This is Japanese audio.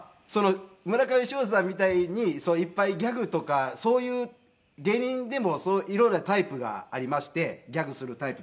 村上ショージさんみたいにいっぱいギャグとかそういう芸人でも色々なタイプがありましてギャグするタイプとか。